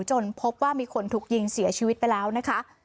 พบว่ามีคนถูกยิงเสียชีวิตไปแล้วนะคะ